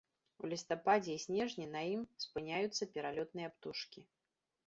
У лістападзе і снежні на ім спыняюцца пералётныя птушкі.